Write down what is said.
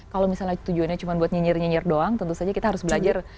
kalau misalnya tujuannya cuma buat nyinyir nyinyir doang tentu saja kita harus belajar